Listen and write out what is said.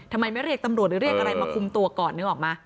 ทำไมไม่เรียกตำรวจหรือเรียกอะไรมาคุมตัวก่อนนึกออกไหม